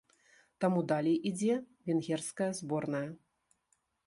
Таму далей ідзе венгерская зборная.